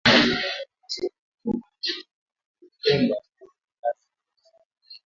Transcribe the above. Mubuhemba muko ngazi mingi sana